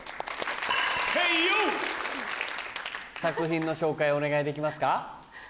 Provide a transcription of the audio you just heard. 作品の紹介をお願いできますか？